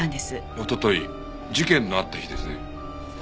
おととい事件のあった日ですね。